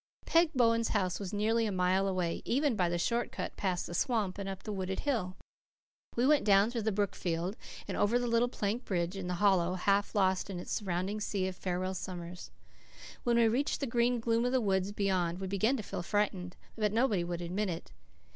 Peg Bowen's house was nearly a mile away, even by the short cut past the swamp and up the wooded hill. We went down through the brook field and over the little plank bridge in the hollow, half lost in its surrounding sea of farewell summers. When we reached the green gloom of the woods beyond we began to feel frightened, but nobody would admit it.